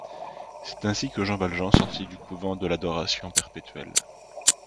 C’est ainsi que Jean Valjean sortit du couvent de l’adoration perpétuelle.